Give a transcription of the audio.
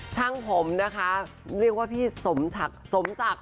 ช่างผมเรียกว่าพี่สมศักราชน